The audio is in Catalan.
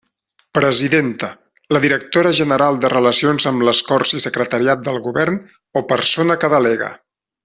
Presidenta: la directora general de Relacions amb les Corts i Secretariat del Govern o persona que delegue.